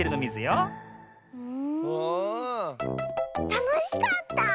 たのしかった！